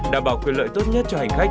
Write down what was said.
đảm bảo quyền lợi tốt nhất cho hành khách